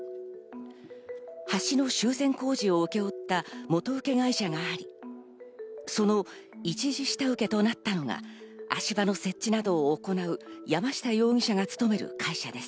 橋の修繕工事を請け負った元請け会社があり、その一次下請けとなったのが足場の設置などを行う山下容疑者が勤める会社です。